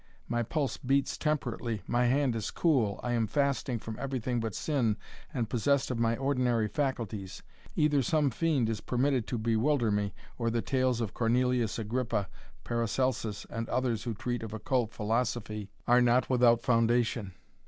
My pulse beats temperately my hand is cool I am fasting from everything but sin, and possessed of my ordinary faculties Either some fiend is permitted to bewilder me, or the tales of Cornelius Agrippa, Paracelsus, and others who treat of occult philosophy, are not without foundation.